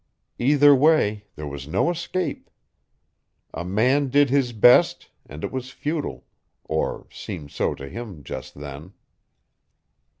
Either way there was no escape. A man did his best and it was futile, or seemed so to him, just then.